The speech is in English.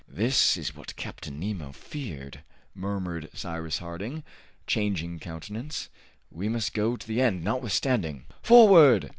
"This is what Captain Nemo feared," murmured Cyrus Harding, changing countenance. "We must go to the end, notwithstanding." "Forward!"